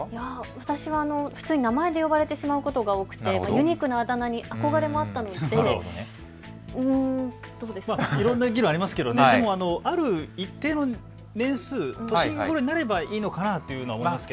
私は普通に名前で呼ばれてしまうことが多くてユニークなあだ名に憧れもあったのでいろんな議論ありますけれどもある一定の年頃になればいいのかなというのは思います。